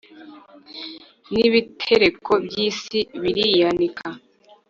n'ibitereko by'isi biriyanika